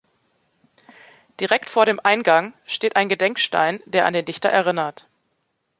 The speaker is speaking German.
Direkt vor dem Eingang steht ein Gedenkstein, der an den Dichter erinnert.